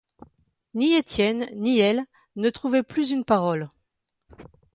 Ni Étienne, ni elle, ne trouvaient plus une parole.